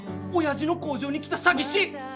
おやじの工場に来た詐欺師。